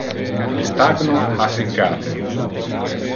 Le stagno ha siccate.